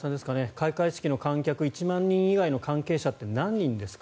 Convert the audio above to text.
開会式の観客１万人以外の関係者って何人ですか。